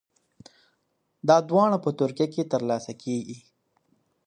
دا دواړه په ترکیه کې ترلاسه کیږي.